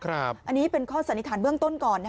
อันนี้เป็นข้อสันนิษฐานเบื้องต้นก่อน